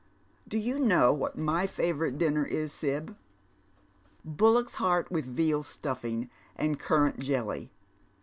Do you knov what my favourite dinner is, Sib ? Bullock's heart with vetu stuffing and currant jelly.